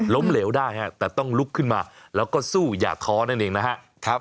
เหลวได้ฮะแต่ต้องลุกขึ้นมาแล้วก็สู้อย่าท้อนั่นเองนะครับ